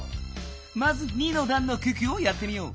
まず２のだんの九九をやってみよう。